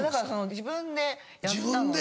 自分でやったので。